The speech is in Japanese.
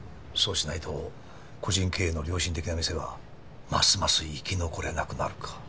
そうしないと個人経営の良心的な店はますます生き残れなくなるか。